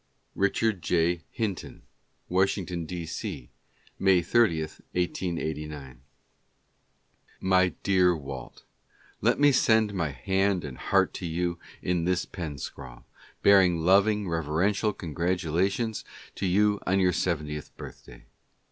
Richard J. Hinton: Washington, D. C, May 30, 1889. My Dear Walt — Let me send my hand and heart to you in this pen scrawl, bearing loving, reverential congratulations to you on your seventieth birthday.